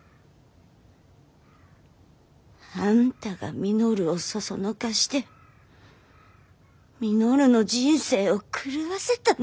あんたが稔をそそのかして稔の人生を狂わせたんじゃ。